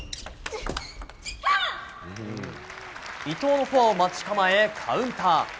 伊藤のフォアを待ち構えカウンター。